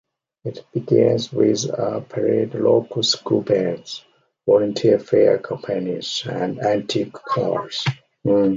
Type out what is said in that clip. It begins with a parade local school bands, volunteer fire companies, and antique cars.